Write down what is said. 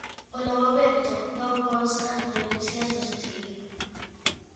Polo momento, non constan denuncias do sucedido.